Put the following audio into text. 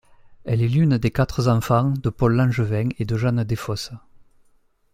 Elle est l'un des quatre enfants de Paul Langevin et de Jeanne Desfosses.